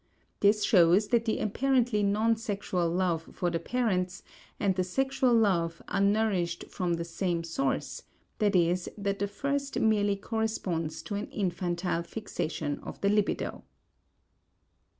This shows that the apparently non sexual love for the parents and the sexual love are nourished from the same source, i.e., that the first merely corresponds to an infantile fixation of the libido.